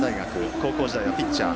高校時代はピッチャー